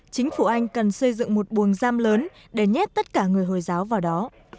chính phủ anh cần xây dựng một buồng giam lớn để nhét tất cả người hồi giáo vào đó